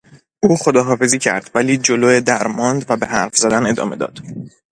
او خداحافظی کرد ولی جلو در ماند و به حرف زدن ادامه داد.